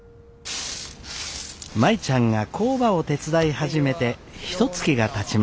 舞ちゃんが工場を手伝い始めてひとつきがたちました。